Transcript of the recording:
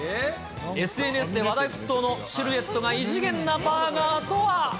ＳＮＳで話題沸騰のシルエットが異次元なバーガーとは。